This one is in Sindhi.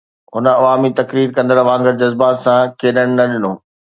هن عوامي تقرير ڪندڙن وانگر جذبات سان کيڏڻ نه ڏنو.